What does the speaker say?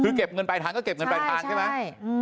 คือเก็บเงินปลายทางก็เก็บเงินปลายทางใช่ไหม